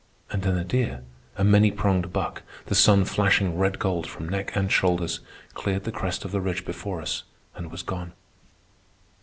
And then a deer, a many pronged buck, the sun flashing red gold from neck and shoulders, cleared the crest of the ridge before us and was gone.